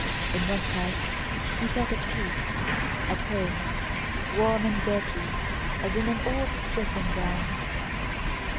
In Moscow he felt at peace, at home, warm and dirty as in an old dressing gown.